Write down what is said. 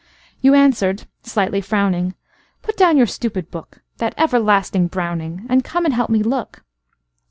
You answered, slightly frowning,"Put down your stupid book—That everlasting Browning!—And come and help me look.